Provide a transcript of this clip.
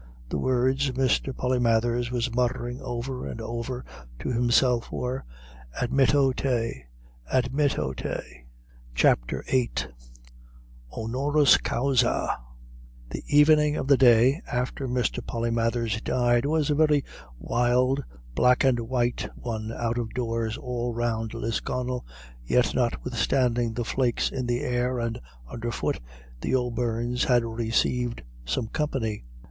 The words Mr. Polymathers was muttering over and over to himself were: Admitto te admitto te. CHAPTER VIII HONORIS CAUSA The evening of the day after Mr. Polymathers died was a very wild black and white one out of doors all round Lisconnel, yet, notwithstanding the flakes in the air and under foot, the O'Beirnes had received some company.